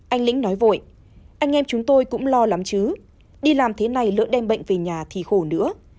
anh lĩnh nói vội anh em chúng tôi cũng lo lắm chứ đi làm thế này lỡ đem bệnh về nhà thì khổ nữa